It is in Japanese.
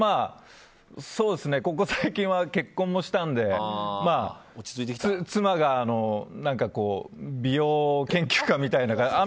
ここ最近は結婚もしたんで妻が美容研究家みたいな。